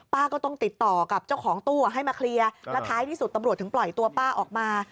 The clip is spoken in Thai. ก็ต้องติดต่อกับเจ้าของตู้ให้มาเคลียร์แล้วท้ายที่สุดตำรวจถึงปล่อยตัวป้าออกมา